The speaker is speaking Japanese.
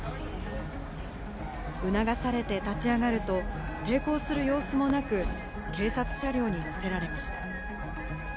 促されて立ち上がると、抵抗する様子もなく、警察車両に乗せられました。